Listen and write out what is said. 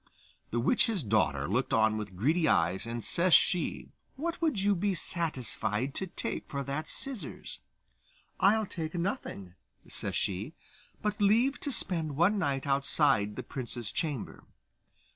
The witch's daughter looked on with greedy eyes, and, says she, 'What would you be satisfied to take for that scissors?' 'I'll take nothing,' says she, 'but leave to spend one night outside the prince's chamber.